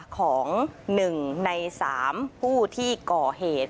ของ๑ใน๓ผู้ที่ก่อเหตุ